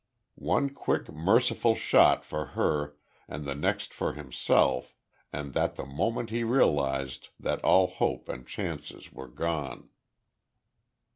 One quick merciful shot for her, and the next for himself, and that the moment he realised that all hope and chances were gone.